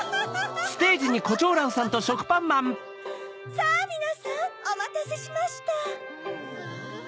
さぁみなさんおまたせしました。